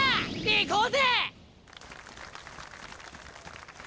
行こうぜ！